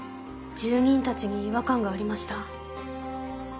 住人たちに違和感がありました。